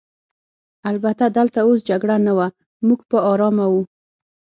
البته دلته اوس جګړه نه وه، موږ په آرامه وو.